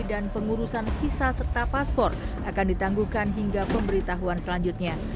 dan pengurusan kisah serta paspor akan ditangguhkan hingga pemberitahuan selanjutnya